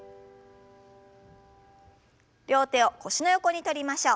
両手を腰の横に取りましょう。